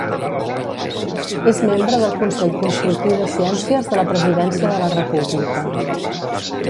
És membre del Consell Consultiu de Ciències de la Presidència de la República.